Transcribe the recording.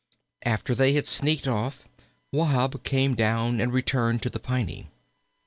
After they had sneaked off Wahb came down and returned to the Piney.